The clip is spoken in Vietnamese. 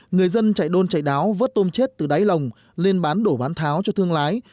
người dân chạy đôn chạy đáo vớt tôm chết từ đáy lồng lên bán đổ bán tháo cho thương lái